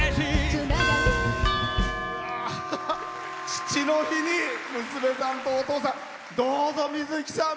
父の日に娘さんとお父さん。